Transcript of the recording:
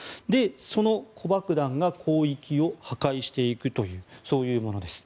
その子爆弾が広域を破壊していくというそういうものです。